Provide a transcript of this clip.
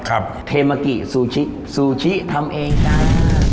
ครับเทมากิซูชิซูชิทำเองจ้า